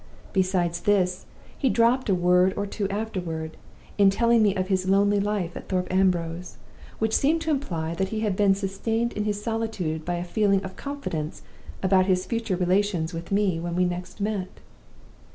Besides this, he dropped a word or two afterward, in telling me of his lonely life at Thorpe Ambrose, which seemed to imply that he had been sustained in his solitude by a feeling of confidence about his future relations with me when we next met.